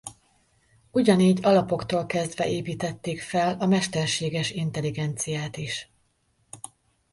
Ugyanígy alapoktól kezdve építették fel a mesterséges intelligenciát is.